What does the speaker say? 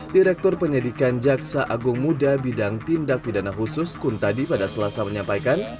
direktur penyidikan jaksa agung muda bidang tindak pidana khusus kuntadi pada selasa menyampaikan